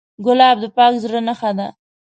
ګلاب د پاک زړه نښه ده.